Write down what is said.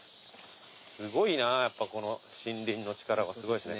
すごいなやっぱこの森林の力はすごいっすね。